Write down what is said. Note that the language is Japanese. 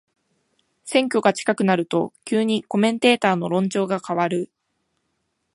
選挙が近くなると急にコメンテーターの論調が変わる